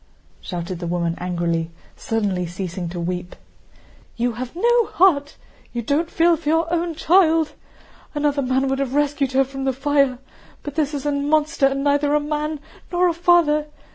shouted the woman angrily, suddenly ceasing to weep. "You have no heart, you don't feel for your own child! Another man would have rescued her from the fire. But this is a monster and neither a man nor a father!